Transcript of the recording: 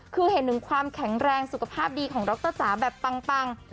คือเห็นถึงความแข็งแรงสุขภาพดีของดรจ๋าแบบปัง